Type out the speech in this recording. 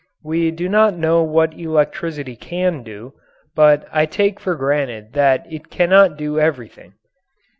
We do not know what electricity can do, but I take for granted that it cannot do everything.